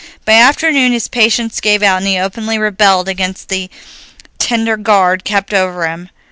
By afternoon his patience gave out, and he openly rebelled against the tender guard kept over him.